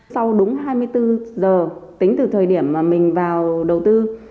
sau đúng hai mươi bốn giờ tính từ thời điểm mà mình vào đầu tư